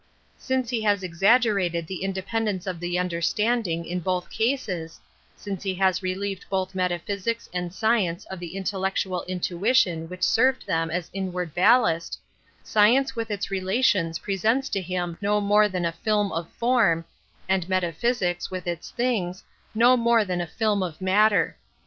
Since he has exaggerated the ind(( i pendence of the understanding in both cases, since he has relieved both meta physics and science of the intellectual in tuition which served them as inward ballast, science with its relations presents to him "" no more than a film of form, and meta physics, with its things, no more than a film of matter.